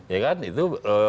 ya kan itu